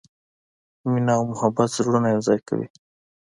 مینه او محبت زړونه یو ځای کوي.